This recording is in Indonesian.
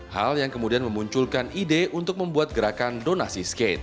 hal yang kemudian memunculkan ide untuk membuat gerakan donasi skate